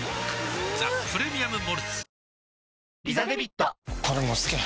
「ザ・プレミアム・モルツ」